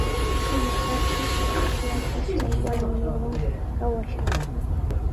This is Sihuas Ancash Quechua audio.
Alli karpis, qishyarpis chay warmillawan kawashaq.